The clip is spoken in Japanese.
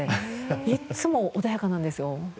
いつも穏やかなんですよ。